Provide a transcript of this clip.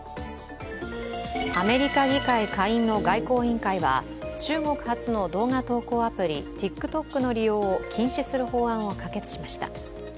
アメリカ議会下院の外交委員会は中国発の動画投稿アプリ、ＴｉｋＴｏｋの利用を禁止する法案を可決しました。